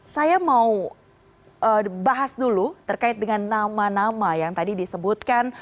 saya mau bahas dulu terkait dengan nama nama yang tadi disebutkan